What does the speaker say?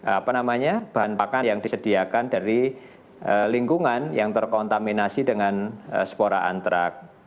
apa namanya bahan pakan yang disediakan dari lingkungan yang terkontaminasi dengan spora antrak